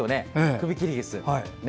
クビキリギス。